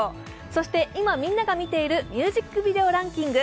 そして今、みんなが見ているミュージックビデオランキング。